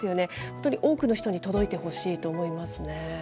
本当に多くの人に届いてほしいと思いますね。